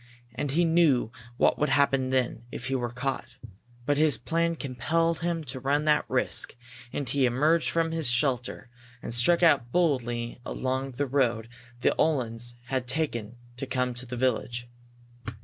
And he knew what would happen then, if he were caught. But his plan compelled him to run that risk, and he emerged from his shelter, and struck out boldly along the road the Uhlans had taken to come to the village.